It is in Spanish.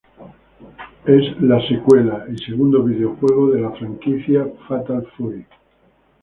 Es la secuela de y el segundo videojuego de la franquicia Fatal Fury.